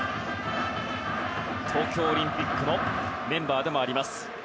東京オリンピックのメンバーでもあります。